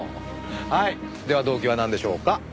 はいでは動機はなんでしょうか？